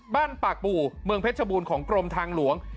ปากปู่เมืองเพชรบูรณ์ของกรมทางหลวง